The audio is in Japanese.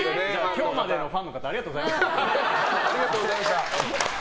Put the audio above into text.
今日までのファンの方ありがとうございました。